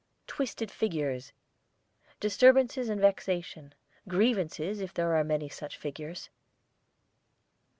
TWISTED FIGURES, disturbances and vexation; grievances if there are many such figures.